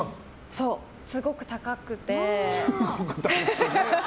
そう、すごく高くて。